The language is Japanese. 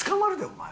お前。